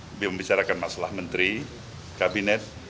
lebih membicarakan masalah menteri kabinet